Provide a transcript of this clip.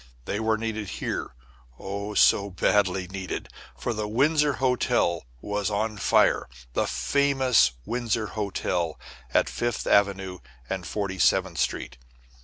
They were needed here, oh, so badly needed; for the Windsor Hotel was on fire the famous Windsor Hotel at Fifth Avenue and Forty seventh Street.